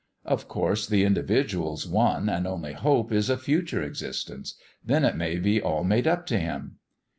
"Of course, the individual's one and only hope is a future existence. Then it may be all made up to him."